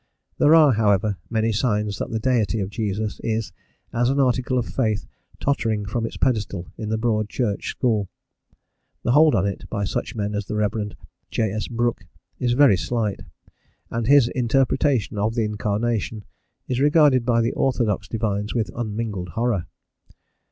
There are, however, many signs that the deity of Jesus is, as an article of faith, tottering from its pedestal in the Broad Church school. The hold on it by such men as the Rev. J. S. Brooke is very slight, and his interpretation of the incarnation is regarded by orthodox divines with unmingled horror.